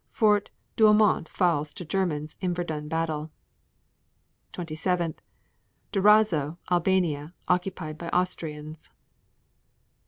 Fort Douaumont falls to Germans in Verdun battle. 27. Durazzo, Albania, occupied by Austrians.